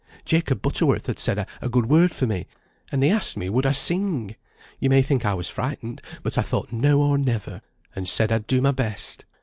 Jacob Butterworth had said a good word for me, and they asked me would I sing? You may think I was frightened, but I thought now or never, and said I'd do my best.